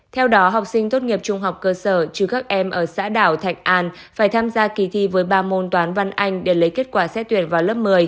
theo đó học sinh tốt nghiệp trung học cơ sở chứ các em ở xã đảo thạnh an phải tham gia kỳ thi với ba môn toán văn anh để lấy kết quả xét tuyển vào lớp một mươi